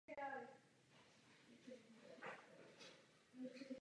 Město je střediskem strojírenského a potravinářského průmyslu.